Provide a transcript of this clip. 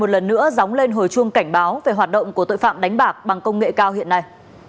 một lần nữa dóng lên hồi chuông cảnh báo về hoạt động của tội phạm đánh bạc bằng công nghệ cao hiện nay